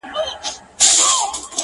په خپله خوښه په رضا باندي د زړه پاته سوې!